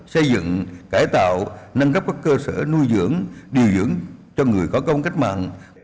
xây dựng cải tạo nâng cấp các cơ sở nuôi dưỡng điều dưỡng cho người có công cách mạng